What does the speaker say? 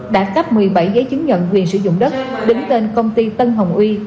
đã cấp một mươi bảy giấy chứng nhận quyền sử dụng đất đứng tên công ty tân hồng uy